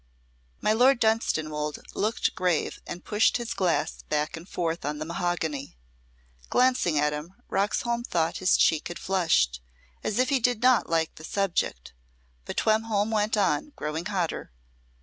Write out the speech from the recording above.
My Lord Dunstanwolde looked grave and pushed his glass back and forth on the mahogany. Glancing at him Roxholm thought his cheek had flushed, as if he did not like the subject. But Twemlow went on, growing hotter.